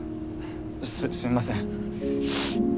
すすみません。